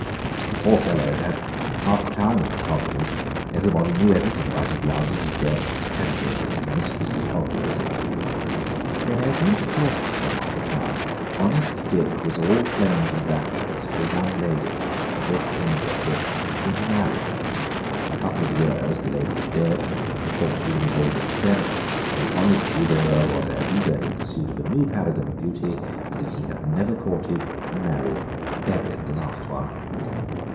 The poor fellow had half the town in his confidence; everybody knew everything about his loves and his debts, his creditors or his mistress's obduracy. When Esmond first came on to the town, honest Dick was all flames and raptures for a young lady, a West India fortune, whom he married. In a couple of years the lady was dead, the fortune was all but spent, and the honest widower was as eager in pursuit of a new paragon of beauty, as if he had never courted and married and buried the last one.